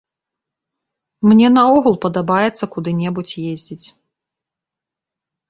Мне наогул падабаецца куды-небудзь ездзіць.